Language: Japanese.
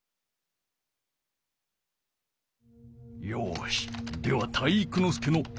よしでは体育ノ